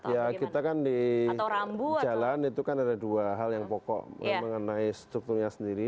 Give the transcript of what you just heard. ya kita kan di jalan itu kan ada dua hal yang pokok mengenai strukturnya sendiri